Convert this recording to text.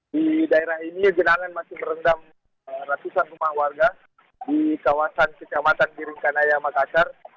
di daerah ini jenangan masih merendam ratusan rumah warga di kawasan kecamatan giringkanaya makassar